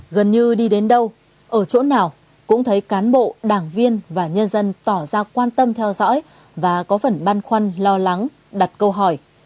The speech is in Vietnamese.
gần như đi đến đâu ở chỗ nào cũng thấy cán bộ đảng viên và nhân dân tỏ ra quan tâm theo dõi và có phần băn khoăn lo lắng đặt câu hỏi